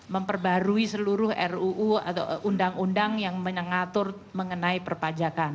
memperbarui seluruh ruu atau undang undang yang mengatur mengenai perpajakan